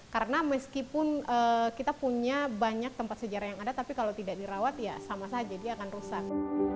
karena meskipun kita punya banyak tempat sejarah yang ada tapi kalau tidak dirawat ya sama saja dia akan rusak